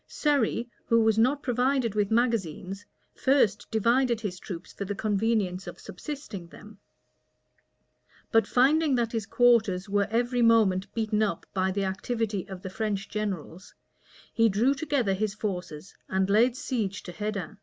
Surrey, who was not provided with magazines, first divided his troops for the convenience of subsisting them; but finding that his quarters were every moment beaten up by the activity of the French generals, he drew together his forces, and laid siege to Hedin.